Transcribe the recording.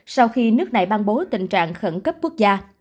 sau khi nước này ban bố tình trạng khẩn cấp quốc gia